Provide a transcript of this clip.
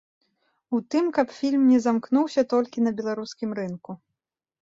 У тым, каб фільм не замкнуўся толькі на беларускім рынку.